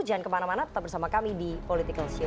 jangan kemana mana tetap bersama kami di politikalsyuh